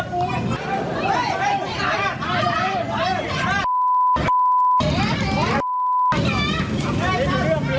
ทำลายนะ